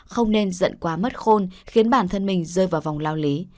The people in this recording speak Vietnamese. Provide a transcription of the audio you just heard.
không nên giận quá mất khôn khiến bản thân mình rơi vào vòng lao lý